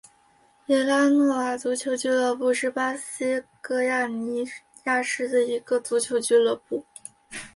维拉诺瓦足球俱乐部是巴西戈亚尼亚市的一个足球俱乐部。